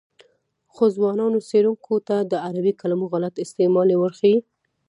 خو ځوانو څېړونکو ته د عربي کلمو غلط استعمال ورښيي.